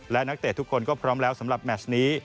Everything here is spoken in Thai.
และนักเตะทุกคนก็พร้อมแล้วสำหรับแมชนี้